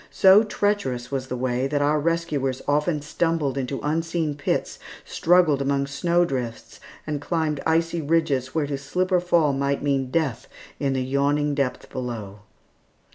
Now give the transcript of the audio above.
So treacherous was the way that our rescuers often stumbled into unseen pits, struggled among snow drifts, and climbed icy ridges where to slip or fall might mean death in the yawning depth below.